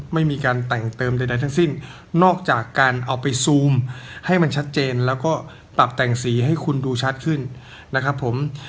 ไม่มีการแต่งเติมใดทั้งสิ้นนอกจากการเอาไปซูมให้มันชัดเจนแล้วก็ปรับแต่งสีให้คุณดูชัดขึ้นนะครับผม